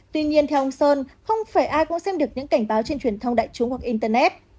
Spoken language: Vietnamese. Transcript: tuy nhiên theo ông sơn không phải ai cũng xem được những cảnh báo trên truyền thông đại chúng hoặc internet